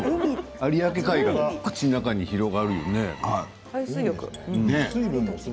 有明海が口の中に広がるよね。